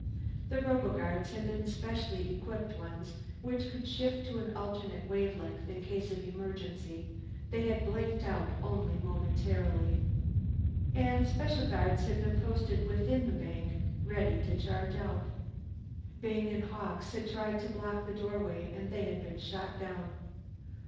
The roboguards had been specially equipped ones which could shift to an alternate wavelength in case of emergency; they had blanked out only momentarily. And special guards had been posted within the bank, ready to charge out. Byng and Hawkes had tried to block the doorway and they had been shot down.